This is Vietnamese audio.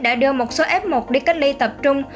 đã đưa một số f một đi cách ly tập trung